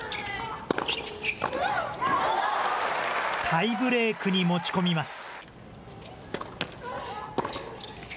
タイブレークに持ち込みます。